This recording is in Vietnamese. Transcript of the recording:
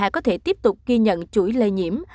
có thể tiếp tục ghi nhận chuỗi lây nhiễm